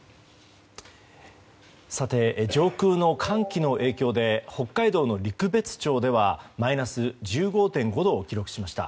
上空の寒気の影響で北海道の陸別町ではマイナス１５．５度を記録しました。